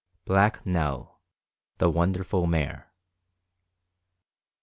BLACK NELL, THE WONDERFUL MARE.